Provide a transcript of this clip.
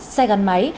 xe gắn máy